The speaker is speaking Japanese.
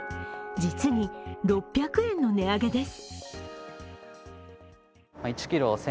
実に６００円の値上げです。